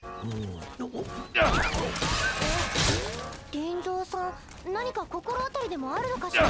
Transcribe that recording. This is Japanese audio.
リンゾーさん何か心当たりでもあるのかしら。